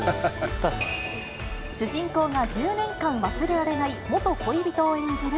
主人公が１０年間忘れられない元恋人を演じる